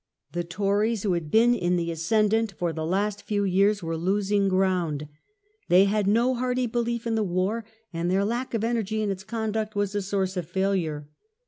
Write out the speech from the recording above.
The Tories, who had been in the ascendant for the last few years, were losing ground. They had no hearty belief in the war, and their lack of energy in its conduct was a source of failure.